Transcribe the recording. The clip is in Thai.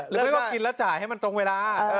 ไม่ว่ากินแล้วจ่ายให้มันตรงเวลา